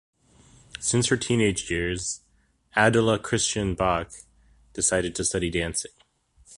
Since her teenage years, Adela Christian Bach decided to study dancing.